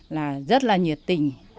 là rất là nhiệt tình